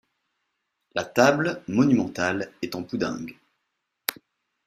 La table, monumentale, est en poudingue.